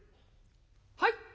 「はい？」。